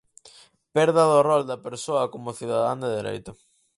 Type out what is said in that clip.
Perda do rol da persoa como cidadán de dereito.